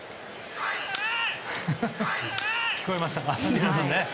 聞こえましたか。